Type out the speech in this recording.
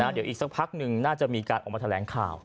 เดี๋ยวอีกสักพักหนึ่งน่าจะมีการออกมาแถลงข่าว